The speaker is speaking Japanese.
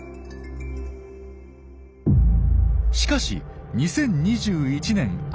しかし２０２１年秋。